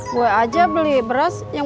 gue aja beli beras yang